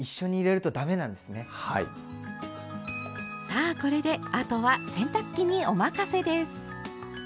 さあこれであとは洗濯機にお任せです。